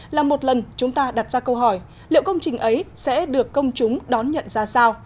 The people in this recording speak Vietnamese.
là một lần chúng ta đặt ra câu hỏi liệu công trình ấy sẽ được công chúng đón nhận ra sao